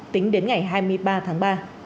tính đến ngày hai mươi ba tháng ba